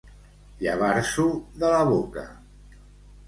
Llevar-s'ho de la boca.